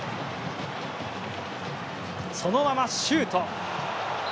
そのままシュート！